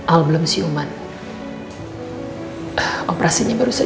al belum siuman